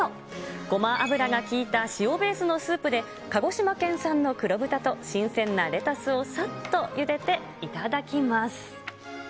ごま油が効いた塩ベースのスープで、鹿児島県産の黒豚と新鮮なレタスをさっとゆでて頂きます。